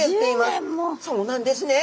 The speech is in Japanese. そうなんですね。